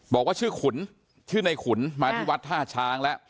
บอกว่าชื่อขุนชื่อในขุนมาที่วัดท่าช้างแล้ว